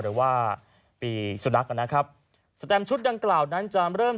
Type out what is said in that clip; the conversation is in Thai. หรือว่าปีสุนัขนะครับสแตมชุดดังกล่าวนั้นจะเริ่ม